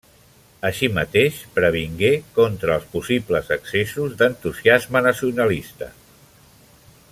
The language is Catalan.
Així mateix, previngué contra els possibles excessos d'entusiasme nacionalista.